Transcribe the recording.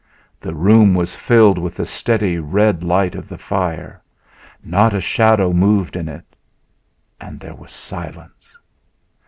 The room was filled with the steady red light of the fire. Not a shadow moved in it. And there was silence.